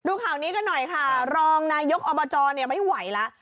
ข่าวนี้กันหน่อยค่ะรองนายกอบจไม่ไหวแล้ว